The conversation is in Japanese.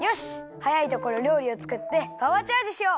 はやいところりょうりをつくってパワーチャージしよう。